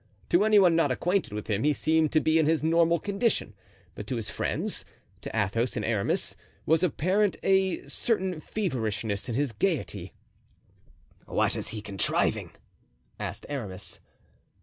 To any one not acquainted with him he seemed to be in his normal condition; but to his friends—to Athos and Aramis—was apparent a certain feverishness in his gayety. "What is he contriving?" asked Aramis.